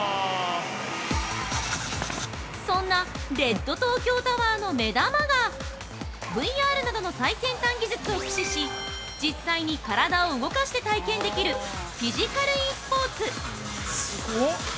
◆そんな「レッドトーキョータワー」の目玉がＶＲなどの最先端技術を駆使し実際に体を動かして体験できるフィジカルｅｓｐｏｒｔｓ。